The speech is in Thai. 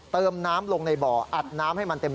เติมน้ำลงในบ่ออัดน้ำให้มันเต็ม